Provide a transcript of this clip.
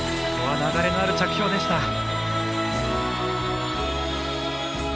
流れのある着氷でした。